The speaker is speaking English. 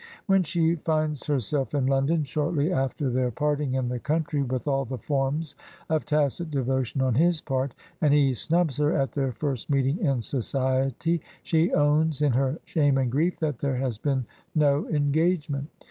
When she finds her self in London, shortly after their parting in the country with all the forms of tacit devotion, on his part, and he snubs her at their first meeting in society, she owns in her shame and grief, that there has been no engage ment.